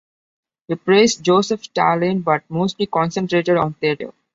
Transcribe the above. He praised Joseph Stalin, but mostly concentrated on theater.